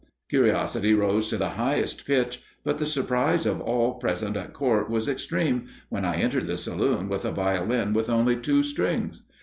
Curiosity rose to the highest pitch; but the surprise of all present at Court was extreme, when I entered the saloon with a Violin with only two strings.